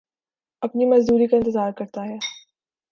اپنی مزدوری کا انتظار کرتا ہے